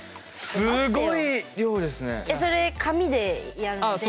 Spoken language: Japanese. すごい量ですね。